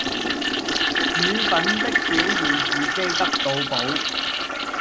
與奮的表現自己得到寶